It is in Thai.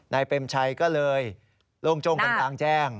เปรมชัยก็เลยโล่งโจ้งกันกลางแจ้ง